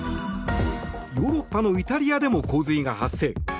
ヨーロッパのイタリアでも洪水が発生。